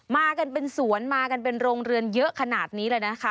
มากันเป็นสวนมากันเป็นโรงเรือนเยอะขนาดนี้เลยนะคะ